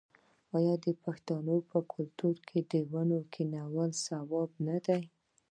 آیا د پښتنو په کلتور کې د ونو کینول ثواب نه دی؟